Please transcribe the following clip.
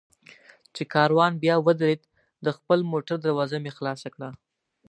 چې کاروان بیا ودرېد، د خپل موټر دروازه مې خلاصه کړه.